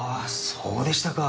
そうでしたか。